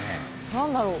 何だろう？